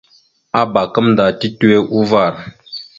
Abak gamənda titewe uvar.